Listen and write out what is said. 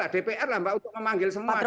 dpr lah mbak untuk memanggil semua